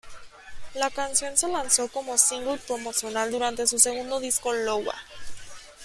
La canción se lanzó como single promocional, durante su segundo disco Iowa.